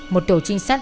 một tổ trinh sát